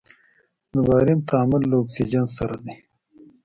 د باریم تعامل له اکسیجن سره دی.